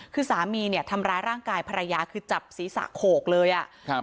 คือสามีเนี่ยทำร้ายร่างกายภรรยาคือจับศีรษะโขกเลยอ่ะครับ